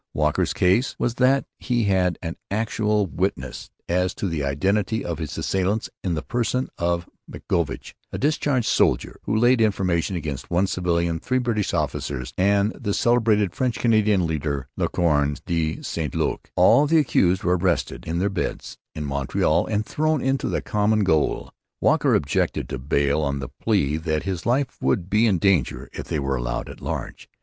Walker's case was that he had an actual witness, as to the identity of his assailants, in the person of McGovoch, a discharged soldier, who laid information against one civilian, three British officers, and the celebrated French Canadian leader, La Corne de St Luc. All the accused were arrested in their beds in Montreal and thrown into the common gaol. Walker objected to bail on the plea that his life would be in danger if they were allowed at large.